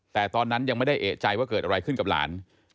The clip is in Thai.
แต่ตอนนั้นยังไม่ได้เอกใจว่าเกิดอะไรขึ้นกับหลาน